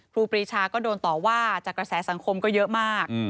ครูปรีชาก็โดนต่อว่าจากกระแสสังคมก็เยอะมาก